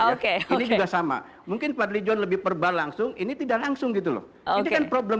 oke ini juga sama mungkin pak dijon lebih perba langsung ini tidak langsung gitu loh oke problem